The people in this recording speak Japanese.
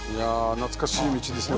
懐かしいですか？